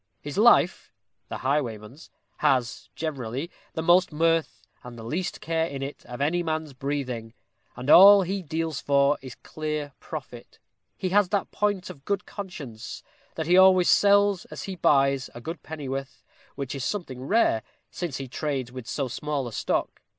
"His life the highwayman's has, generally, the most mirth and the least care in it of any man's breathing, and all he deals for is clear profit: he has that point of good conscience, that he always sells as he buys, a good pennyworth, which is something rare, since he trades with so small a stock.